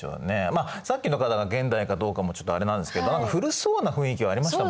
まあさっきの方が現代かどうかもちょっとあれなんですけど何か古そうな雰囲気はありましたもんね。